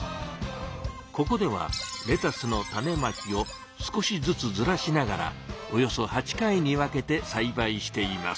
ここではレタスの種まきを少しずつずらしながらおよそ８回に分けてさいばいしています。